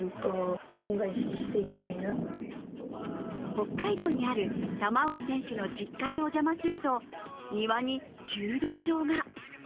北海道にある玉置選手の実家にお邪魔すると庭に柔道場が。